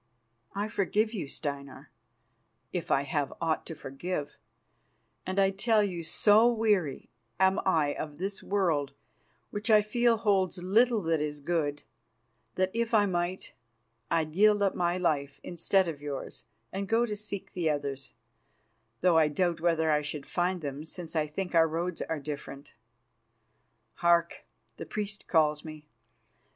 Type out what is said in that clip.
I forgive you, Steinar, if I have aught to forgive, and I tell you, so weary am I of this world, which I feel holds little that is good, that, if I might, I'd yield up my life instead of yours, and go to seek the others, though I doubt whether I should find them, since I think that our roads are different. Hark! the priests call me.